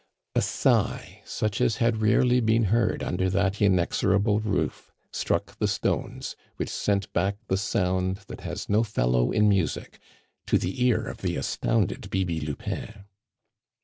A sigh such as had rarely been heard under that inexorable roof struck the stones, which sent back the sound that has no fellow in music, to the ear of the astounded Bibi Lupin.